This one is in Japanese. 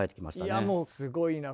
いやもうすごいな。